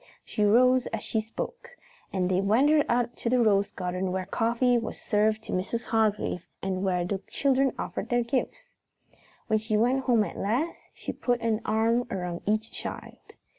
She rose as she spoke, and they wandered out to the rose garden where coffee was served for Mrs. Hargrave and where the children offered their gifts. When she went home at last, she put an arm around each child.